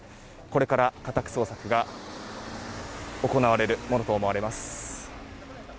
これから家宅捜索が行われるものと思われます。